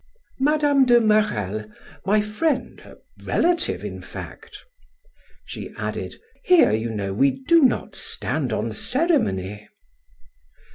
Mme. de Marelle, my friend, a relative in fact." She added: "Here, you know, we do not stand on ceremony."